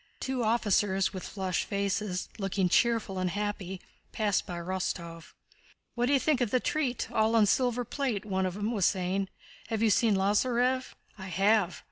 Two officers with flushed faces, looking cheerful and happy, passed by Rostóv. "What d'you think of the treat? All on silver plate," one of them was saying. "Have you seen Lázarev?" "I have."